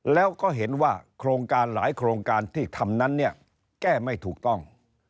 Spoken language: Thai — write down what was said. แล้วก็เห็นว่าโครงการหลายโครงการที่ทำนั้นเนี่ยแก้ไม่ถูกต้อง